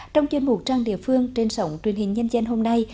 trong chuyên mục trang địa phương trên sổng truyền hình nhân dân hôm nay